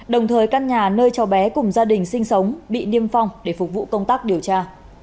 đồng thời căn nhà nơi cho bé cùng gia đình sinh sống bị niêm phong để phục vụ công tác điều tra